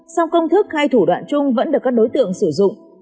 sau công thức hai thủ đoạn chung vẫn được các đối tượng sử dụng